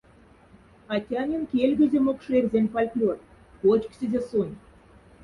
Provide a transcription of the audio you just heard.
Атянин кельгозе мокшэрзянь фольклорть, кочксезе сонь.